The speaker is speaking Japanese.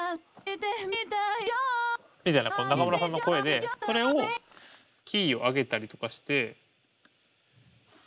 みたいな中村さんの声でそれをキーを上げたりとかして。